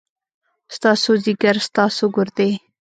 ستاسو ځيګر ، ستاسو ګردې ،